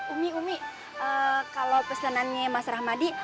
umi umi kalo pesenan mas rahmadi